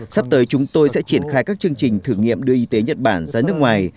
sắp tới chúng tôi sẽ triển khai các chương trình thử nghiệm đưa y tế nhật bản ra nước ngoài